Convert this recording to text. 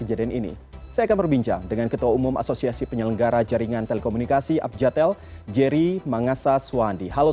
perlu kami sampaikan kepada teman teman pemerintah yang jadi pengusaha